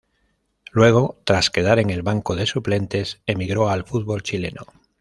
Luego, tras quedar en el banco de suplentes, emigró al fútbol chileno.